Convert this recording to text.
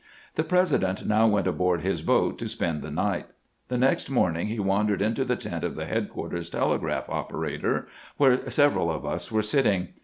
The President now went aboard his boat to spend the night. The next morning he wandered into the tent of the headquarters telegraph operator, where several of us were sitting.